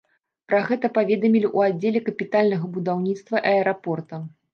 Пра гэта паведамілі ў аддзеле капітальнага будаўніцтва аэрапорта.